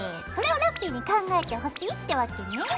それをラッピィに考えてほしいってわけね。